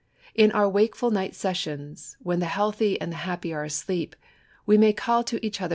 In our wakeful night seasons, when the healthy and the happy are asleep, we may call to each other X J>EI>l